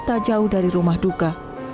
tak jauh dari rumah duka